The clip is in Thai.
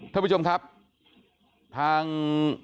ทาง